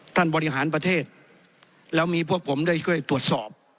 บริหารประเทศแล้วมีพวกผมได้ช่วยตรวจสอบ